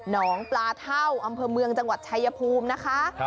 น้องปลาเท่าอำเภอเมืองจังหวัดชายภูมินะคะ